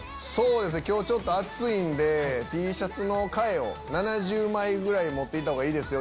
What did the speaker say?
今日ちょっと暑いんでＴシャツの替えを７０枚ぐらい持って行ったほうがいいですよ！